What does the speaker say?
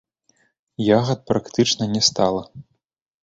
Ягад практычна не стала.